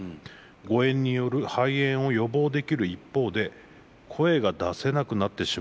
誤嚥による肺炎を予防できる一方で声が出せなくなってしまう手術です。